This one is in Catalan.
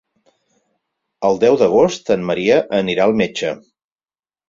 El deu d'agost en Maria anirà al metge.